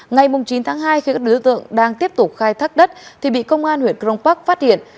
ngày chín tháng hai khi các đối tượng đang tiếp tục khai thác đất thì bị công an huyện cron park phát hiện